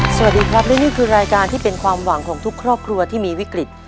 สวัสดีครับและนี่คือรายการที่เป็นความหวังของทุกครอบครัวที่มีวิกฤต